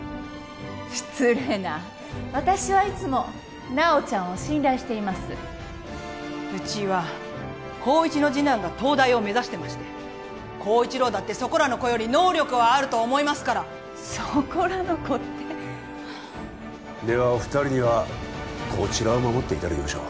失礼な私はいつも菜緒ちゃんを信頼していますうちは高１の次男が東大を目指してまして晃一郎だってそこらの子より能力はあると思いますからそこらの子ってではお二人にはこちらを守っていただきましょう